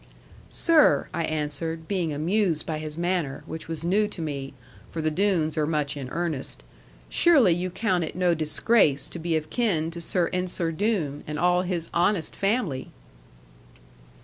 '"Sir," I answered, being amused by his manner, which was new to me (for the Doones are much in earnest), "surely you count it no disgrace to be of kin to Sir Ensor Doone, and all his honest family!"